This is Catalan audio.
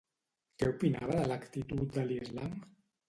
Què opinava de l'actitud de L'Islam?